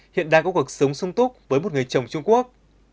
hiện đang có cuộc sống sung túc với một người chồng trung quốc